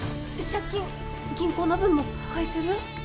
借金銀行の分も返せる？